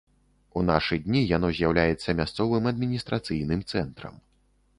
У нашы дні яно з'яўляецца мясцовым адміністрацыйным цэнтрам.